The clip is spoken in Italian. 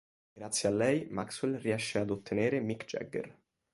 Grazie a lei Maxwell riesce ad ottenere Mick Jagger.